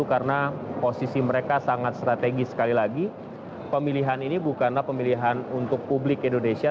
karena posisi mereka sangat strategis sekali lagi pemilihan ini bukanlah pemilihan untuk publik indonesia